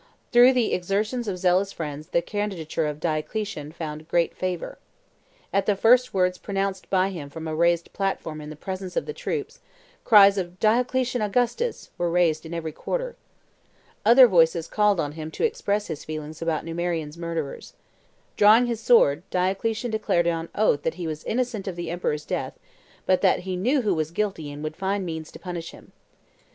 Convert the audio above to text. Through the exertions of zealous friends the candidature of Diocletian found great favor. At the first words pronounced by him from a raised platform in the presence of the troops, cries of "Diocletian Augustus "were raised in every quarter. Other voices called on him to express his feelings about Numerian's murderers. Drawing his sword, Diocletian declared on oath that he was innocent of the emperor's death, but that he knew who was guilty and would find means to punish him.